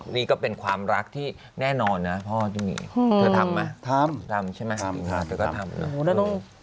มีก็เป็นความรักที่แน่นอนพ่อจะไม่ทำไม่เขาทำ